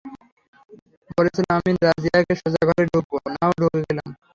বলেছিলাম আমি রাজিয়াকে, সোজা ঘরে ঢুকবো, নাও ঢুকে গেলাম!